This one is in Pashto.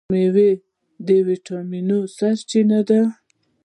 میوې د ویټامینونو سرچینه ده.